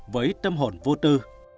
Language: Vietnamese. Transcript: với tâm hồn vô tư